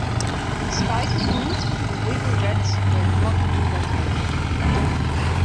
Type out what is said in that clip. Despite the move, the River Rats were not relocated.